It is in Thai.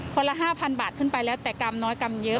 ละ๕๐๐บาทขึ้นไปแล้วแต่กรรมน้อยกรรมเยอะ